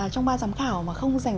trong ba giám khảo mà không dành